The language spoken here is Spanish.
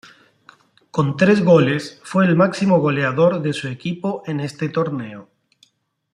Con tres goles, fue el máximo goleador de su equipo en este torneo.